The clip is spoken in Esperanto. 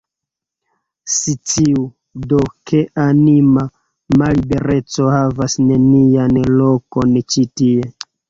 Sciu, do, ke anima mallibereco havas nenian lokon ĉi tie.